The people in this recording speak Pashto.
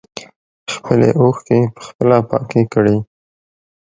خپلې اوښکې په خپله پاکې کړئ.